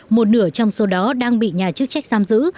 một nửa trong số đó đang bị nhà chức trách giam giữ